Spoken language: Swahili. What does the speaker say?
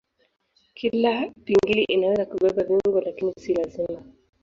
Kila pingili inaweza kubeba viungo lakini si lazima.